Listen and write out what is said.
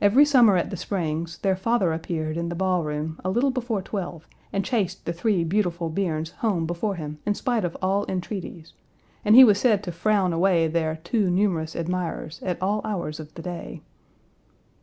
Every summer at the Springs, their father appeared in the ballroom a little before twelve and chased the three beautiful Biernes home before him in spite of all entreaties, and he was said to frown away their too numerous admirers at all hours of the day.